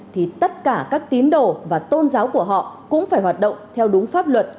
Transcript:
thì tất cả các tín đồ và tôn giáo của họ cũng phải hoạt động theo đúng pháp luật